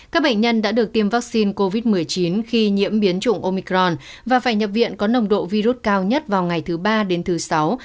các bệnh nhân đã được tiêm vaccine covid một mươi chín khi nhiễm biến chủng omicron và phải nhập viện có nồng độ virus cao nhất vào ngày thứ ba đến thứ sáu